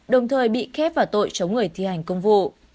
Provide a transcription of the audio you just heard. đồng thời bị khép vào tội chống người thi hành công vụ